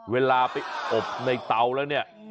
เวลาไปอบในเตาแล้วเนี่ย